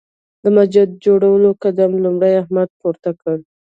د مسجد جوړولو قدم لومړی احمد پورته کړ.